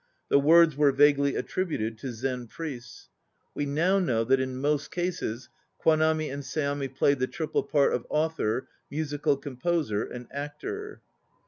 The words were vaguely attributed to "Zen Priests." We now know that in most cases Kwanami and Seami played the triple part of author, 1 musical composer and actor.